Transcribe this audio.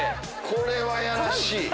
これはやらしい！